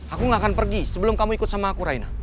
aku enggak akan pergi sebelum kamu ikut sama aku raina